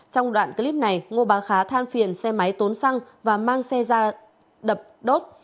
trong đoạn clip này ngô bá khá than phiền xe máy tốn xăng và mang xe ra đập đốt